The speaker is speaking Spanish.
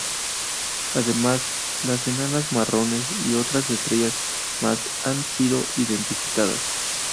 Además, las enanas marrones y otras estrellas más han sido identificadas.